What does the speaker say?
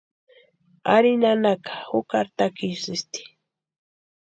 Ari nanaka jukari takisïsti.